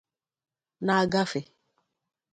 na-agafe